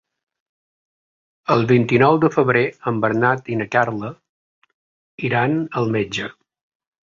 El vint-i-nou de febrer en Bernat i na Carla iran al metge.